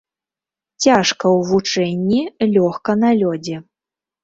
Цяжка ў вучэнні, лёгка на лёдзе.